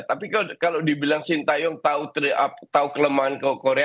tapi kalau dibilang shin taeyong tahu kelemahan korea